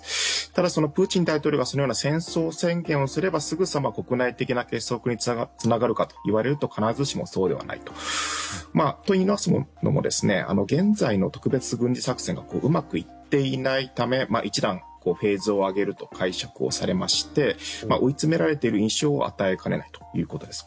ただ、プーチン大統領がそのような戦争宣言をすればすぐさま国内的な結束につながるかというと必ずしもそうではないと。といいますのも現在の特別軍事作戦がうまくいっていないため一段フェーズを上げると解釈をされまして追い詰められている印象を与えかねないということです。